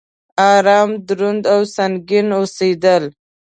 ارام، دروند او سنګين اوسيدل